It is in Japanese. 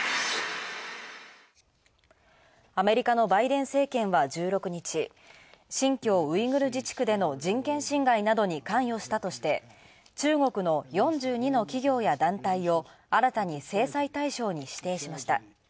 アメリカのバイデン政権は１６日、新疆ウイグル自治区での人権侵害などに関与したとして、中国の４２の企業や団体を新たに制裁対象に指定しました。